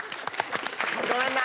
ごめんな。